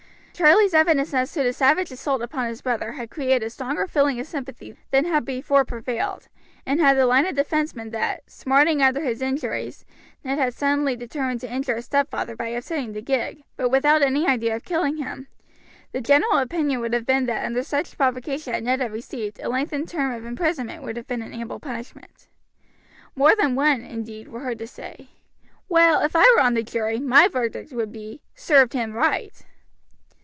Charlie's evidence as to the savage assault upon his brother had created a stronger feeling of sympathy than had before prevailed, and had the line of defense been that, smarting under his injuries, Ned had suddenly determined to injure his stepfather by upsetting the gig, but without any idea of killing him, the general opinion would have been that under such provocation as Ned had received a lengthened term of imprisonment would have been an ample punishment. More than one, indeed, were heard to say, "Well, if I were on the jury, my verdict would be, Served him right."